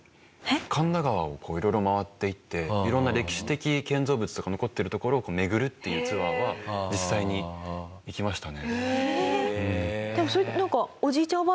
神田川をこう色々回って行って色んな歴史的建造物とか残っている所を巡るっていうツアーは実際に行きましたね。